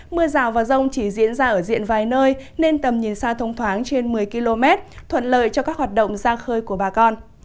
mưa rào và rông chỉ diễn ra ở diện vài nơi nên tầm nhìn xa thông thoáng trên một mươi km thuận lợi cho các hoạt động ra khơi của bà con